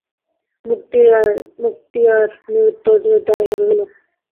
মুক্তিয়ার নিরুত্তরে দাঁড়াইয়া রহিল।